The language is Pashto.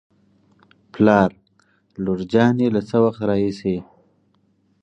پلار : لور جانې له څه وخت راهېسې